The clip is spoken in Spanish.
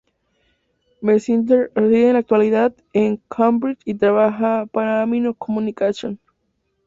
McIntyre reside en la actualidad en Cambridge y trabaja para Amino Communications.